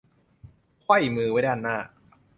ไขว้มือไว้ด้านหน้า